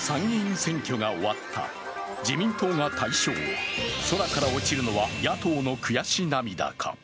参議院選挙が終わった、自民党が大勝、空から落ちるのは野党の悔し涙か。